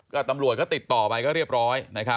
ก็ตำรวจก็ติดต่อไปก็เรียบร้อย